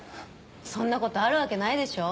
そんなことあるわけないでしょ。